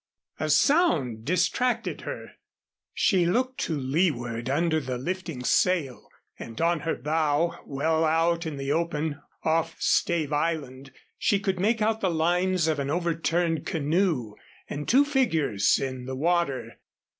A sound distracted her. She looked to leeward under the lifting sail and on her bow, well out in the open off Stave Island, she could make out the lines of an overturned canoe and two figures in the water.